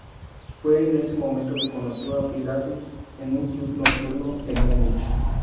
Fue en ese momento que conoció a Pilatus en un club nocturno en Múnich.